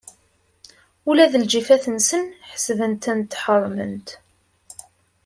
Ula d lǧifat-nsen, ḥesbet-tent ḥeṛṛment.